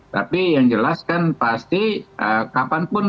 tapi yang jelas kan pasti kapanpun